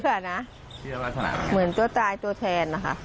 เชื่อว่าสนามยังไงเหมือนตัวตายตัวแทนนะคะ